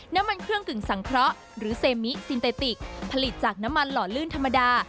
น้ำมันเครื่องกึ่งสังเคราะห์หรือเซมิซินเตติกผลิตจากน้ำมันหล่อลื่นธรรมดา